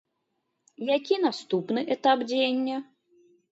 Які наступны этап дзеяння?